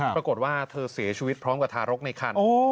ปรากฏว่าเธอเสียชีวิตพร้อมกับทารกในคัน